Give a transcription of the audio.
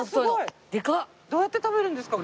どうやって食べるんですか？